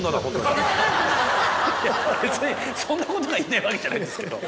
いや別にそんなことが言いたいわけじゃないんですけど。